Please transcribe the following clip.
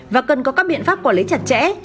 và cần có các biện pháp quản lý chặt chẽ